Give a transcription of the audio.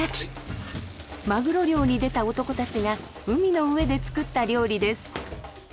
マグロ漁に出た男たちが海の上で作った料理です。